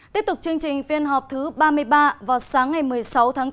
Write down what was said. tiếp tục chương trình phiên họp thứ ba mươi ba vào sáng ngày một mươi sáu tháng bốn